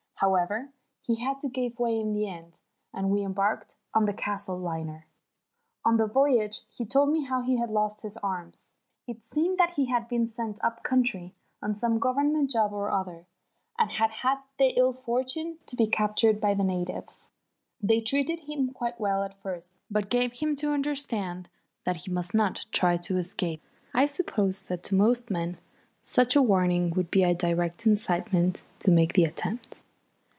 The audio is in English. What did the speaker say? However, he had to give way in the end, and we embarked on the Castle liner. On the voyage he told me how he had lost his arms. It seemed that he had been sent up country on some Government job or other, and had had the ill fortune to be captured by the natives. They treated him quite well at first, but gave him to understand that he must not try to escape. I suppose that to most men such a warning would be a direct incitement to make the attempt.